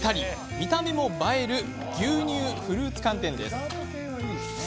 見た目も映える牛乳フルーツ寒天です。